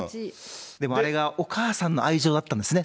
でもあれがお母さんの愛情だったんですね。